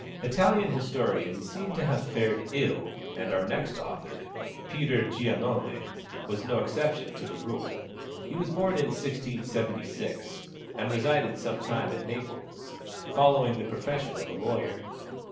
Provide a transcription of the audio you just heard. Italian historians seem to have fared ill, and our next author, Peter Giannone, was no exception to the rule. He was born in 1676, and resided some time at Naples, following the profession of a lawyer.